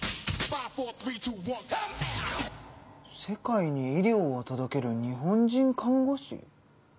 「世界に医療を届ける日本人看護師」？